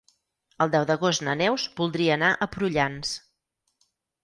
El deu d'agost na Neus voldria anar a Prullans.